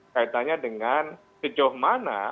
kaitannya dengan kejauh mana